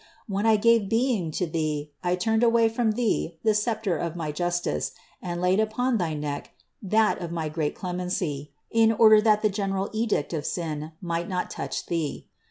When I gave being to thee, I turned away from thee the sceptre of my justice and laid upon thy neck that of my great clemency, in order that the general edict of sin might not touch thee.